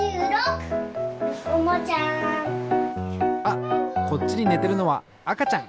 あっこっちにねてるのはあかちゃん！